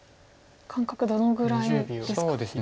感覚どのぐらいですか。